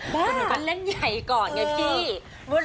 บ้าเป็นคนเล่นใหญ่ก่อนไงพี่